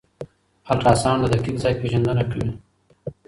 الټراساؤنډ د دقیق ځای پېژندنه کوي.